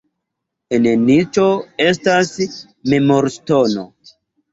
En niĉo estas memorŝtono.